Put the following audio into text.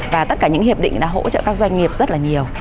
và tất cả những hiệp định đã hỗ trợ các doanh nghiệp rất là nhiều